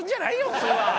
普通は。